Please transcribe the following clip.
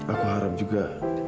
aku harap juga